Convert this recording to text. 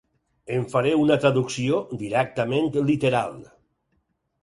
En faré una traducció directament literal.